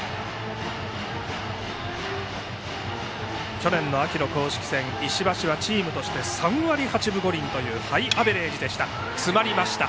去年の秋の公式戦、石橋はチームとして３割８分５厘というハイアベレージでした。